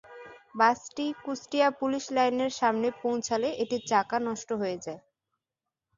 বাসটি কুষ্টিয়া পুলিশ লাইনের সামনে পৌঁছালে এটির চাকা নষ্ট হয়ে যায়।